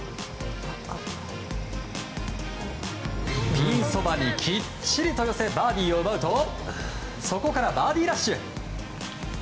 ピンそばにきっちりと寄せバーディーを奪うとそこからバーディーラッシュ。